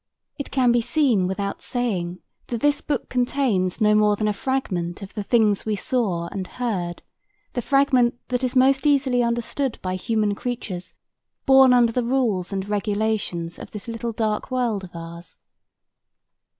It can been seen without saying that this book contains no more than a fragment of the things we saw and heard the fragment that is most easily understood by human creatures born under the rules and regulations of this little dark world of ours.